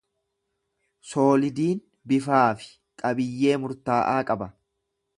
Soolidiin bifaa fi qabiyyee murtaa’aa qaba.